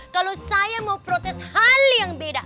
kalau saya mau protes hal yang beda